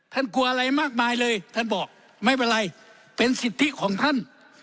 กลัวอะไรมากมายเลยท่านบอกไม่เป็นไรเป็นสิทธิของท่าน